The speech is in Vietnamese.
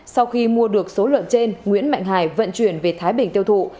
sau khi mua được số lợn trên nguyễn mạnh hải vận chuyển về thái bình tiêu thụ